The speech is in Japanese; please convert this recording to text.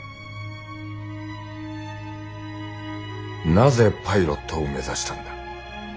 なぜパイロットを目指したんだ。